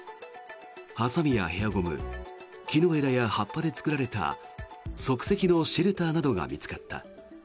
ハサミやヘアゴム木の枝や葉っぱで作られた即席のシェルターなどが見つかった。